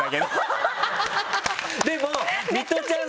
でもミトちゃん